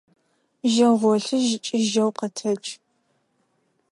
Жьэу гъолъыжь ыкӏи жьэу къэтэдж!